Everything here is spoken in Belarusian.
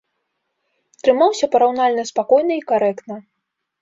Трымаўся параўнальна спакойна і карэктна.